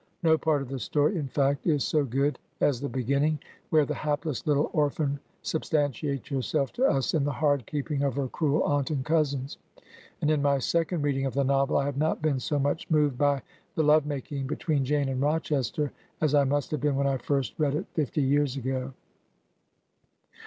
No part of the story, in fact, is so good as the beginning, where the hapless little orphan substantiates herself to us in the hard keeping of her cruel aunt and cousins ; and in my second read ing of the novel I have not been so much moved by th^ lOve making between Jane and Rochester as I must have been when I first read it fifty years ago.